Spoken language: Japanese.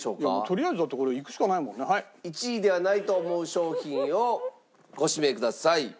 １位ではないと思う商品をご指名ください。